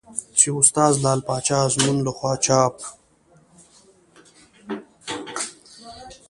چې استاد لعل پاچا ازمون له خوا چاپ